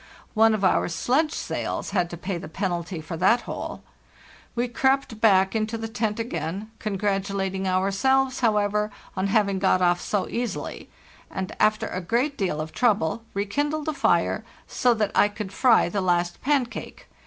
One of our sledge sails had to pay the penalty for that hole. We crept back into the tent again, congratulating ourselves, however, on having got off so easily, and, after a great deal of trouble, rekindled a fire so that I could fry the last pancake.